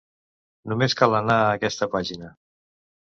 Només cal anar a aquesta pàgina.